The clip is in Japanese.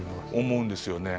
思うんですよね。